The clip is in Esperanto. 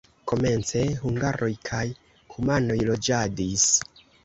Komence hungaroj kaj kumanoj loĝadis.